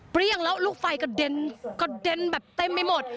เรียกแล้วลูกไฟกระเด็นแบบเต็มไปหมด